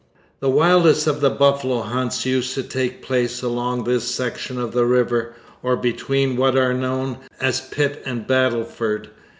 The wildest of the buffalo hunts used to take place along this section of the river, or between what are now known as Pitt and Battleford.